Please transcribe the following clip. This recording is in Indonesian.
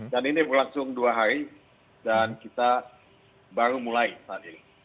dan ini berlangsung dua hari dan kita baru mulai saat ini